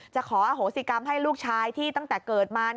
ขออโหสิกรรมให้ลูกชายที่ตั้งแต่เกิดมา